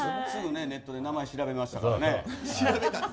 すぐネットで名前調べましたから。